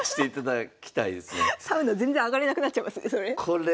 サウナ全然上がれなくなっちゃいますねそれ。